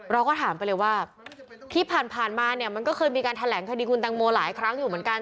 เราก็ถามไปเลยว่าที่ผ่านมาเนี่ยมันก็เคยมีการแถลงคดีคุณตังโมหลายครั้งอยู่เหมือนกัน